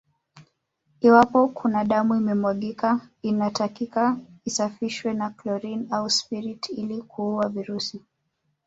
Iwapo kuna damu imemwagika inatakiwa isafishwe na chlorine au spirit ili kuua virusi